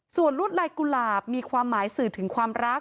ส่วนลวดลายกุหลาบมีความหมายสื่อถึงความรัก